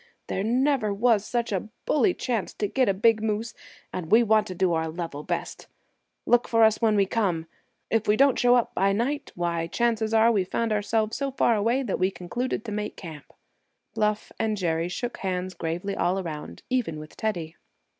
There never was such a bully chance to get a big moose, and we want to do our level best. Look for us when we come. If we don't show up by night, why, chances are we found ourselves so far away that we concluded to make camp." Bluff and Jerry shook hands gravely all around, even with Teddy.